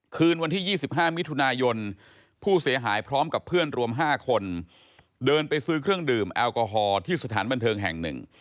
คืนวันที่๒๕มิถุนายนผู้เสียหายพร้อมกับเพื่อนรวม๕คนเดินไปซื้อเครื่องดื่มแอลกอฮอลที่สถานบันเทิงแห่งหนึ่ง